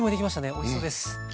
おいしそうです！